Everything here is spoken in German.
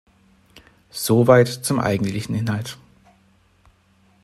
Soweit zum eigentlichen Inhalt.